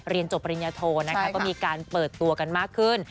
เรียนจบปริญญาโทนะคะก็มีการเปิดตัวกันมากขึ้น